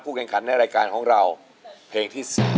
ผู้เก่งขันในรายการของเราเพลงที่สาม